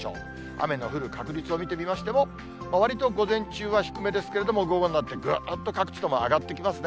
雨の降る確率を見てみましても、わりと午前中は低めですけれども、午後になってぐっと各地とも上がってきますね。